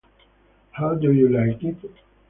How do you like it?